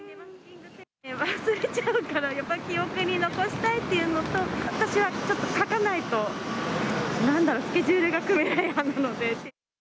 忘れちゃうからやっぱり記憶に残したいというのと、私はちょっと書かないと、なんだろうスケジュールが組めない派なので。